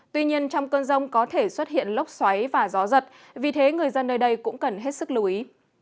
tuy nhiên trong cơn rông có thể xuất hiện lốc xoáy và gió giật vì thế người dân nơi đây cũng cần hết sức lưu ý